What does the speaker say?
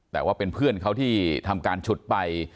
แต่ว่าเป็นเพื่อนเขาที่ทำการฉุดไป